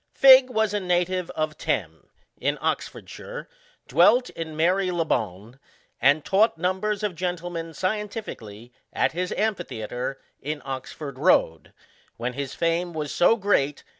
Figg was a native of Thame, in Oxford shire, dwelt in Mary le bonne, and taught numbers of gentlemen scientifically, at his amphitheatre, in Oxford road,* when his feme was so great.